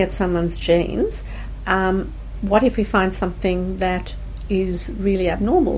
bagaimana jika kami menemukan sesuatu yang benar benar tidak normal